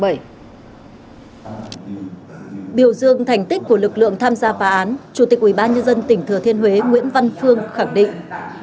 biểu dương thành tích của lực lượng tham gia phá án chủ tịch ubnd tỉnh thừa thiên huế nguyễn văn phương khẳng định